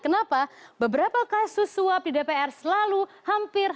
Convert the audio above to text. kenapa beberapa kasus swab di dpr